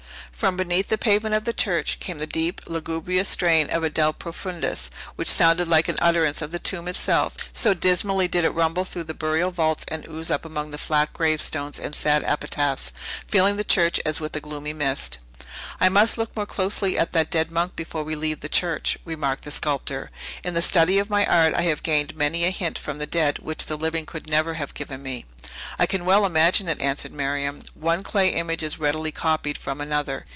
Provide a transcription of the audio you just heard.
From beneath the pavement of the church came the deep, lugubrious strain of a De Profundis, which sounded like an utterance of the tomb itself; so dismally did it rumble through the burial vaults, and ooze up among the flat gravestones and sad epitaphs, filling the church as with a gloomy mist. "I must look more closely at that dead monk before we leave the church," remarked the sculptor. "In the study of my art, I have gained many a hint from the dead which the living could never have given me." "I can well imagine it," answered Miriam. "One clay image is readily copied from another.